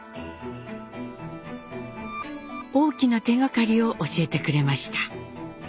大きな手がかりを教えてくれました。